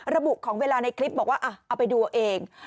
ระบุของเวลาในคลิปบอกว่าเอาไปดูเอาเอง